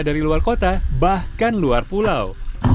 dari luar kota bahkan luar pulau